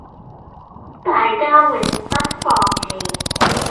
大家永不放棄